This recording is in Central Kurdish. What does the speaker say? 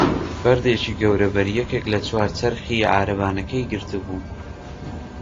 بەردێکی گەورە بەری یەکێک لە چوار چەرخی عەرەبانەکەی گرتبوو.